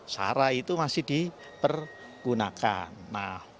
sara itu masih dipergunakan